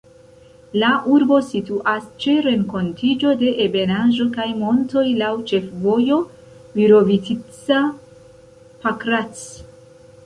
La urbo situas ĉe renkontiĝo de ebenaĵo kaj montoj, laŭ ĉefvojo Virovitica-Pakrac.